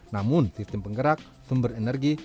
namun sistem penggerak sumber energi